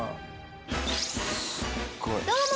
どうも！